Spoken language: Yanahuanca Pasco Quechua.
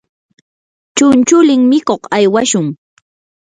chunchulin mikuq aywashun.